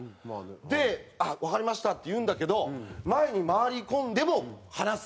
で「あっわかりました」って言うんだけど前に回り込んでも話す。